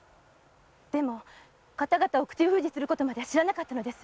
でも方々を口封じすることまでは知らなかったのです。